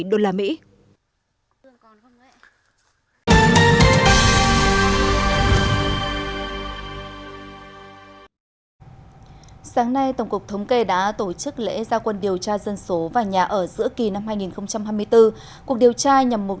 tổng kê đã tổ chức lễ gia quân điều tra dân số và nhà ở giữa kỳ năm hai nghìn hai mươi bốn cuộc điều tra nhằm mục